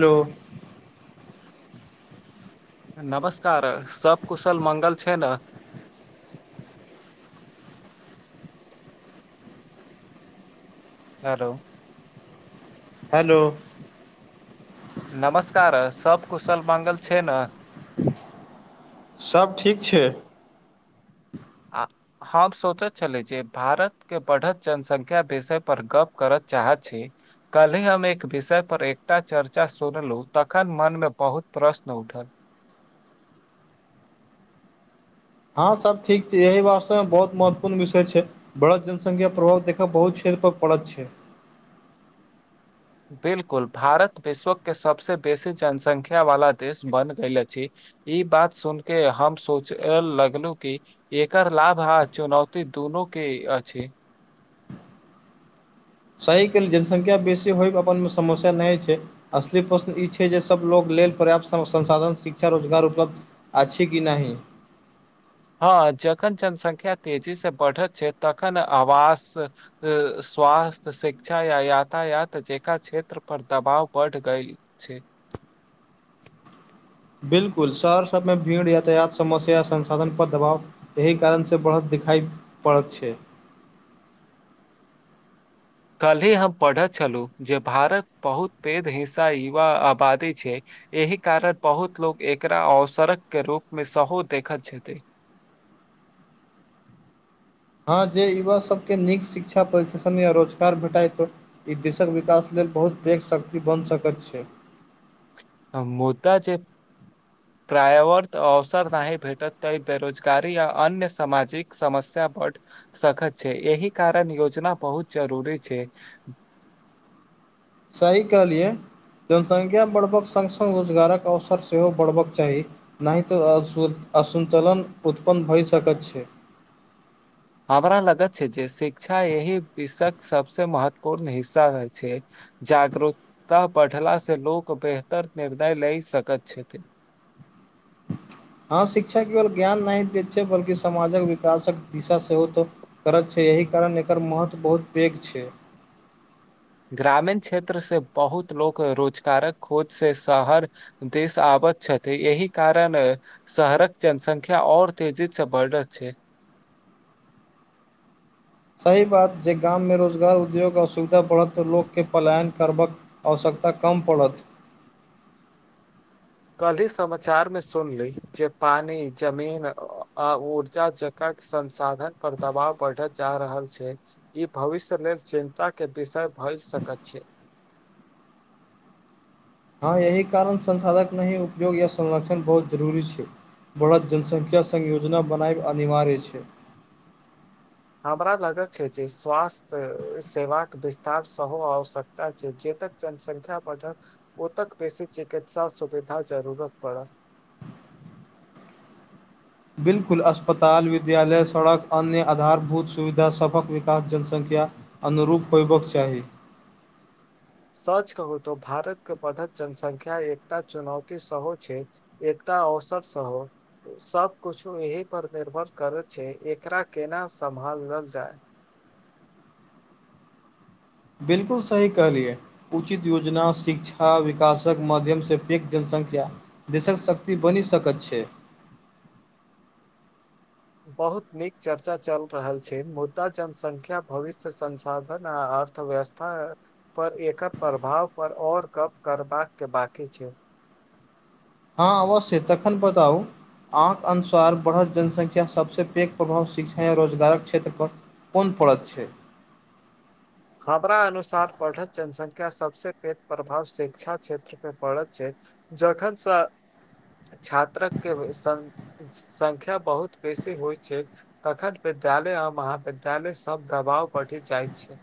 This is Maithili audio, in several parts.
हेलो नमस्कार सब कुशल मंगल छै ने हेलो हेलो नमस्कार सब कुशल मांगल छै ने सब ठीक छै आ हम सोचैत छली जे भारत के बढ़त जनसंख्या विषय पर गप करत चाहैत छी कल्हि हम एक विषय पर एकटा चर्चा सुनलुं तखन मन मे बहुत प्रश्न उठल हँ सब ठीक छै एहि वास्तवमे बहुत महत्वपूर्ण विषय छै बढ़त जनसंख्या प्रभाव देखब बहुत क्षेत्र पर पड़त छै बिलकुल भारत विश्व के सबस बेसी जनसंख्या वाला देश बन गेल अछि ई बात सुन के हम सोच लगलू की एकर लाभ आ चुनौती दुनू के अछि सही कहली जनसंख्या बेसी होइब अपन मे समस्या नहि छै असली प्रश्न ई छै जे सभ लोग लेल पर्याप्त संसाधन शिक्षा रोजगार उपलब्ध अ छै कि नहिाह हँ जखन जनसंख्या तेजी से बढ़त छै तखन आवास स्वास्थ्य शिक्षा या यातायात जेका क्षेत्र पर दबाव बढ़ गई ठीक छै बिलकुल शहर सभमे भीड़ यातायात समस्या संसाधनपर दबाव एहि कारणसँ बढ़त दिखाइ पड़ैत छै कल् ही हम पढ़े छलु जे भारत बहुत पेघ हिस्सा युवा आबादी छै एहि कारण बहुत लोकोग एकरा असरक के रूप मे सेहो देखैत छथि हँ जे युवा सभके नीक शिक्षा प्रशिक्षण या रोजगार भेटाइ त ई देशक विकास लेल बहुत पैघ शक्ति बनि सकैत छै मुद्दा जे [inaudible] प्रायावर्त अवसर नहि भेटत त बेरोजगारी य अन्य सामाजिक समस्य ब सखत छै एहि कारण योजना बहुत जरूरी छै सही कहलियै जनसंख्या बढ़बक सङ्ग सङ्ग रोजगारक अवसर सेहो बढ़बाक चाही नहि तऽ अु असन्तुलन उत्पन्न भय सकैत छै हमरा लगत छै जे शिक्षा यही विश्वक सबसे महत्वपूर्ण हिस्सा छै जागरूकता बढ़ला से लोक बेहतर निर्णय लै सकैत छथिन हँ शिक्षा केवल ज्ञान नहि दै छै बल्कि समाजक विकासक दिशा सेहो तऽ करत छै एहि कारण एकर महत्व बहुत पैघ छै ग्रामीण क्षेत्र से बहुत लोक रोजगारक खोज से शहर देश आबत छथि यही कारण शहरक जनसंख्या और तेजी से बढ़त छै सही बात जे गाममे रोजगार उद्योग अ शुक पड़त तऽ लोककेँ पलायन करबाक आवश्यकता कम पड़त कल्हि समाचार में सुनली जे पानी जमीन आ ऊर्जा ज कियाकि संसाधन पर दबाव बढ़त जा रहल छै ई भविष्य लेल चिन्ता के विषय भए सकैत छै हँ एहि कारण संसाधक नहि उपयोग या संरक्षण बहुत जरूरी छै बढ़त जनसङख्या सङ योजना बनाएब अनिवार्य छै हमरा लगत छै जे स्वास्थ्य सेवाक विस्तार सेहो आवश्यकता छै जेतक जनसंख्या पढ़क ओ तक बेसी चिकित्सा सुविधा जरूुरत पड़त बिलकुल अस्पताल विद्यालय सड़क अन्य आधारभूत सुविधा सभक विकास जनसंख्या अनुरूप होयबाक चाही सच कहू त भारतके बधत जनसंख्य एकता चुनौती सेहोहो छै एकटा अवसर सेहो सब कुछो एहि पर निर्भर करैत छै एकरा केना सम्भालल जाय बिलकुल सही कहलियए उचित योजना शिक्षा विकासक माध्यमसँ पैघ जनसंख्या देशक शक्ति बनि सकैत छै बहुत नीक चर्चा चल रहल छै। मुद्दा जनसंख्या भविष्य, संसाधन आ अर्थव्यवस्था। हैं पर एकर प्रभाव पर और गप करबाक के बाकी छै। हँ अवश्य तखन बताउ? अहाँकेँ अनुसार बढ़ल जनसंख्या सभसे पैघ प्रभाव शिक्षा आ रोजगारक, क्षेत्रपर। कोन पड़त छै। हमरा अनुसार पढ़ल जनसंख्या सएनएल सभ स पे प्रभाव शिक्षा क्षेत्र। पड़त छै। जखन छात्र के संख्या बहुत बेसी होइ छै। तखन विद्यालय आ महाविद्यालय सभ दबाव बढ़ि जाइत छै।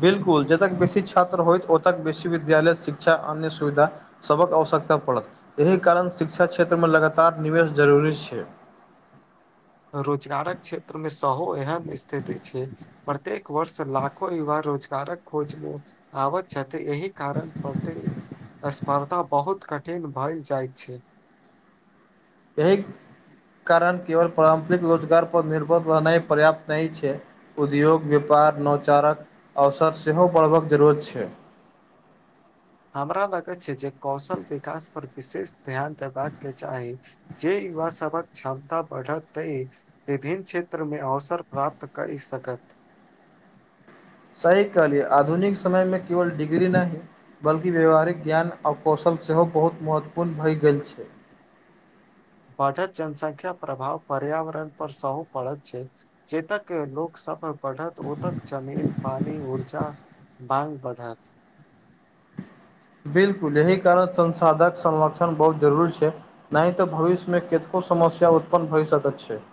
बिल्कुल जतक बेसी छात्र होयत ओतक बेसी विद्यालय शिक्षा अन्य सुविधा। सभक आवश्यकता पड़त। एहि कारण शिक्षा क्षेत्रमे लगातार निवेश जरूरी छै। रोजगारक क्षेत्र मे सेहो एहन स्थिति छै। प्रत्येक वर्ष लाखो युवा रोजगारक खोजमे आ आबत छथि। एहि कारण प्रती स्पर्धा बहुत कठिन भए जाय छै। एहि कारण केवल पारम्परिक, रोजगारपर निर्भर रहनाइ पर्याप्त नहि छै। उद्योग व्यापार नौचारक अवसर सेहो बढ़बाक जरूरत छै। हमरा लगैत छै। जे कौशल विकास पर विशेष ध्यान देबाका के चाही जे युवा सभक क्षमता बढ़त तै विभिन्न क्षेत्र में अवसर प्राप्त करि सकत। सह कहलिय आधुनिक समयमे केवल डिग्री नहि। बल्कि व्यावहारिक ज्ञान और कौशल सेहो बहुत महत्वपूर्ण भए गेल छै। बढ़त जनसंख्या प्रभाव पर्यावरण पर सेहो पड़त छै। चेतक लोक सभ। बढ़त ओतक जमीन पानी ऊर्जा मांग बढ़त। बिल्कुल एहि कारण संसाधक संरक्षण बहुत जरुरी छै। नहि तऽ भविष्य मे कतको समस्या उत्पन्न भइ सकैत छै।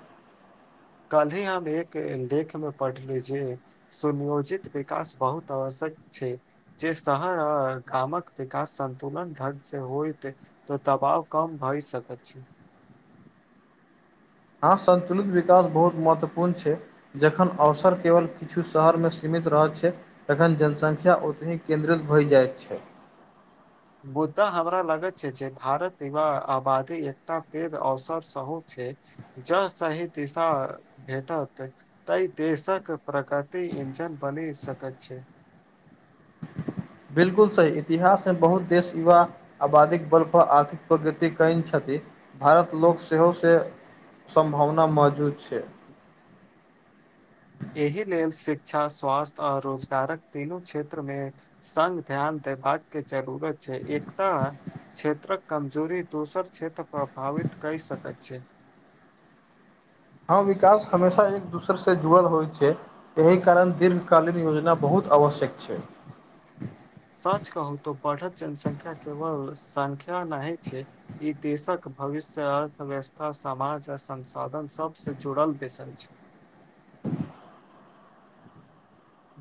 कल ही हम एक लेखमे पढ़ली जे। सुनियोजित विकास बहुत आवश्यक छै। जे शहर आ गामक विकास सन्तुलन ढंग से होइत। त दबाव कम भए सकत छै। आ संतुलित विकास बहुत महत्वपूर्ण छै। जखन अवसर केवल किछु शहरमे सीमित रहैत छै। तखन जनसंख्या ओतहि केन्द्रित भय जाइत छै मुद्दा हमरा लगत छै। जे भारत विव आबादी एकटा पेद अवसर सेहो छै। ज सही दिशा भेटतै। तइ देशक प्रकारति इंजन बनी सकैत छै। बिल्कूल सही एहस बहुत देश युवा। आबादीक बल पर आर्थिक प्रगति कैन छथि। भारत लोक सेहो से। सम्भावना मौजूद छै। एहि लेल शिक्षा स्वास्थ्य आओर रोजगारक तीनू क्षेत्र मे। संग ध्यान देबाक के जरूरत छै एकता। क्षेत्रक कमजोरी दोसर क्षेत्र प्रभावित कहि सक छै। हँ, विकास हमेशा एक दोसर सँ जुड़ल होइत छै। एहि कारण दीर्घकालीन योजना बहुत आवश्यक छै। सच कहूँ त बढ़त जनसंख्या केवल संख्या नहि छै। ई देशक भविष्य अर्थव्यवस्था समाज आ संसाधन सभस जुड़ल विषय छै।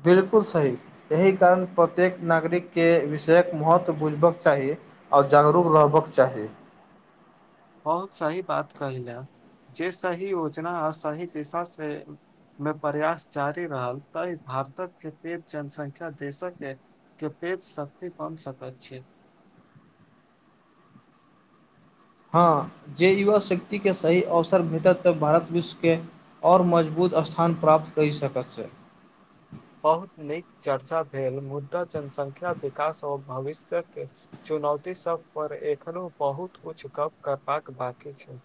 बिल्कूल सही एहि कारण प्रत्येक नागरिक के विषयक महत्त्व बुझबाक चाही। ओर जागरूक रहबक चाही। बहुत सही बात कहैले जे सही योजना आ सही दिशा से मे प्रयास जारी रहल तऽ भारतक के पेघ जनसंख्या देशक के के पेट शक्ति कोन सकैत छै हँ जे युवा शक्तिके सही अवसर भेटत तऽ भारत विश्वके ओर मजबूत स्थान प्राप्त कए सकैत छै बहुत नीक चर्चा भेल मुद्दा जनसंख्या विकास ओर भविष्य के चुनौती सब पर एखनो बहुत कुछ गप करबाक बाकी छै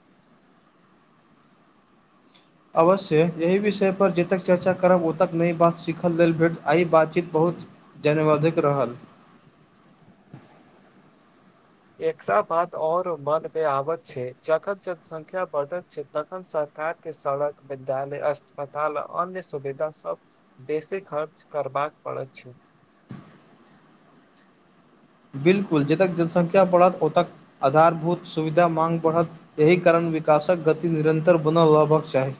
अवश्य एहि विषय पर जतेक चर्चा करब ओ तक नहि बात सीखल लेल आ ई बातचीत बहुत जने अधिक रहल एकरा बात और मन बे आबत छै जखन जनसंख्या बढ़त छै तखन सरकार के सड़क विद्यालय अस्पताल अन्य सुविधा सब बेसे खर्च करबाक पड़ैत छै बिल्कुल जतक जनसंख्या बढ़त ओतऽ आधारभूत सुविधा माँग बढ़त यहि कारण विकासक गति निरन्तर बना लबाक चाही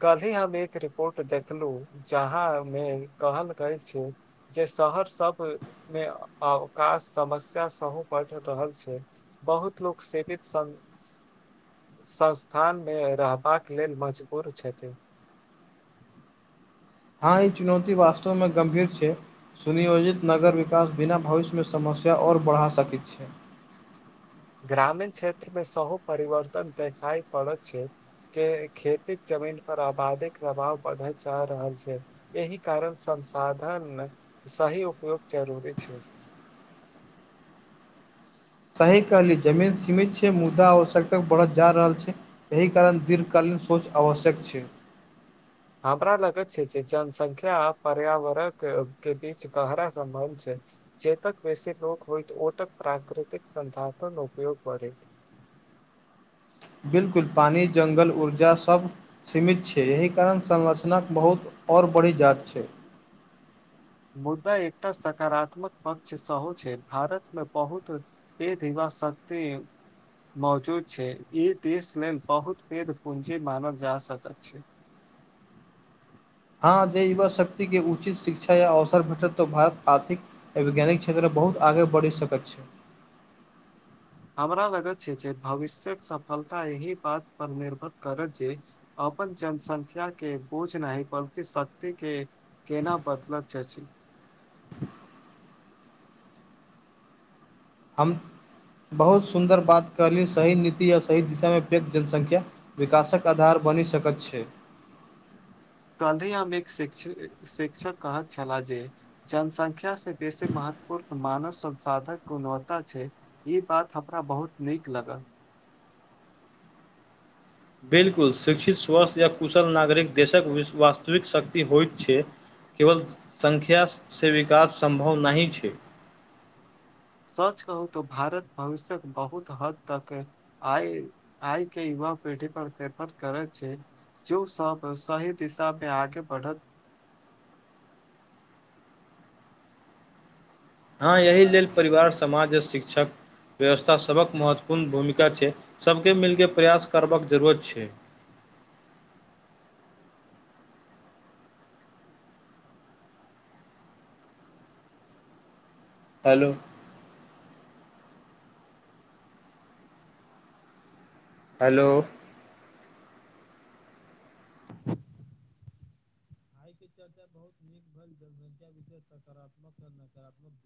कल्हि हम एक रिपोर्ट देखलहु जहाँ मे कहल गेल छै जे शहर सब मे अवकाश समस्या सेहो बढ़ रहल छै बहुत लोक सेपित स संस्थानमे रहबाक लेल मजबूर छथिन हँ ई चुनौती वास्तवमे गम्भीर छै सुनियोजित नगर विकास बिना भविष्यमे समस्या ओर बढ़ा सकैत छै ग्रामीण क्षेत्रमे सहु परिवर्तन देखाइ पड़ैत छै के खेती जमीन पर आबादी प्रभाव बढ़ल जा रहल छै एहि कारण संसाधन सही उपयोग जरूरी छै सही कहलियै जमीन सीमित छै मुद्दा आश्यक तक बढ़त जा रहल छै एहि कारण दीर्घकालीन सोच आवश्यक छै हमरा लग छै जनसंख्या पर्यावरण के बीच गहरा सम्बन्ध छै जेतक वैसी लोक होइत ओ तक प्राकृतिक संधाधन उपयोग बढ़े बिलकुल पानि जङ्गल ऊर्जा सभ सीमित छै एहि कारण संरचनाक बहुत ओर बड़ी जात छै मुद्दा एकटा सकारात्मक पक्ष सेहो छै भारतमे बहुत ए दीवाशक्ति मौजूद छै ई देश लेल बहुत पेध पूंजी मानल जा सकैत छै हँ जे युवा शक्तिके उचित शिक्षा या अवसर भेटत तऽ भारत आर्थिक वैज्ञानिक क्षेत्र बहुत आगे बढ़ि सकैत छै हमरा लगत छै जे भविष्यक सफलता एहि बात पर निर्भर करत जे अपन जनसंख्या के बोझ नहि बल्कि सत्य के केना बदलत छैचिन हम बहुत सुन्दर बात कहली सही नीति या सही दिशामे पैघ जनसंख्या विकासक आधार बनि सकैत छै कल्हि हम एक शिक्ष शिक्षक कहक छलाह जे जनसंख्या बेसी महत्वपूर्ण मानव शब्द साधक गुणवत्ता छै ई बात हमरा बहुत नीक लगल बिलकुल शिक्षित स्वस्थ या कुशल नागरिक देशक वास्तविक शक्ति होइत छै केवल सङख्यासँ विकास सम्भव नहि छै सच कहू त भारत भविष्य बहुत हद तक है आइ आइ के युवा पेढ़ी पर पेपर करै छै जो सब सही दिशा मे आगे बढ़त हँ यही लेल परिवार समाज आ शिक्षक व्यवस्था सबक महत्वपूर्ण भूमिका छै सबके मिलके प्रयास करबाक जरूरत छै हेलो हेलो [unintelligible] आई के चर्चा बहुत नीक भेल जनसंख्या विय कर न [unintelligible]